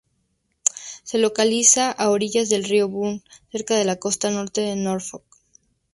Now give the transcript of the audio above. Se localiza a orillas del río Burn, cerca de la costa norte de Norfolk.